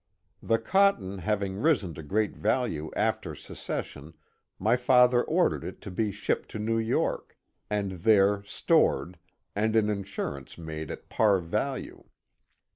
The cotton having risen to great value after secession, my father ordered it to be shipped to New York, and there stored, and an insurance made at par value.